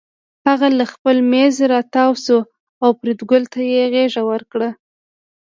هغه له خپل مېز راتاو شو او فریدګل ته یې غېږ ورکړه